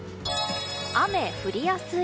雨降りやすい。